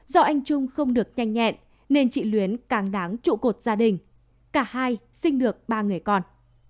do anh trung không được nhanh nhẹn nên chị luyến càng đáng trụ cột gia đình cả hai sinh được ba người con